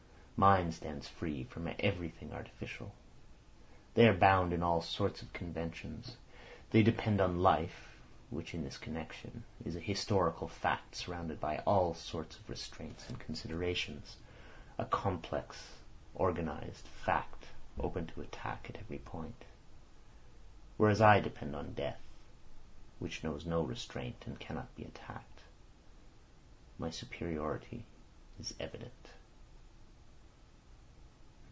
Mine stands free from everything artificial. They are bound in all sorts of conventions. They depend on life, which, in this connection, is a historical fact surrounded by all sorts of restraints and considerations, a complex organised fact open to attack at every point; whereas I depend on death, which knows no restraint and cannot be attacked. My superiority is evident."